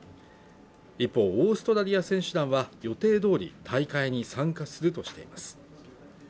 一方オーストラリア選手団は予定どおり大会に参加するとしています